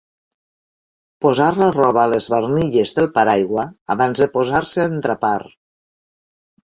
Posar la roba a les barnilles del paraigua abans de posar-se a endrapar.